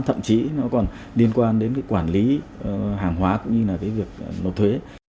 thậm chí nó còn liên quan đến quản lý hàng hóa cũng như việc nộp thuế